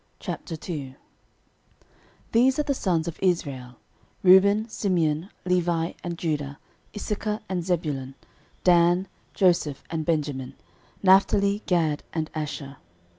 13:002:001 These are the sons of Israel; Reuben, Simeon, Levi, and Judah, Issachar, and Zebulun, 13:002:002 Dan, Joseph, and Benjamin, Naphtali, Gad, and Asher.